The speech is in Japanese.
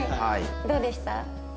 どうでした？